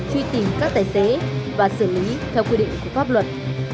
truy tìm các tài xế và xử lý theo quy định của pháp luật